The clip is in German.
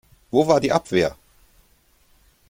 Wo war die Abwehr?